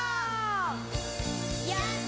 「やった」